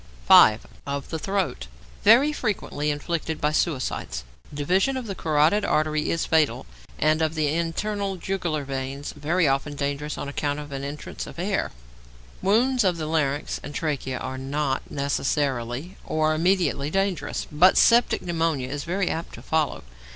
5. =Of the Throat.= Very frequently inflicted by suicides. Division of the carotid artery is fatal, and of the internal jugular vein very dangerous on account of entrance of air. Wounds of the larynx and trachea are not necessarily or immediately dangerous, but septic pneumonia is very apt to follow.